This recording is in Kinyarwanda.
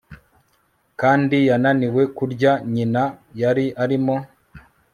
kandi yananiwe kurya Nyina yari arimo